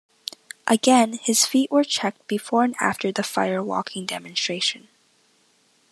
Again, his feet were checked before and after the fire walking demonstration.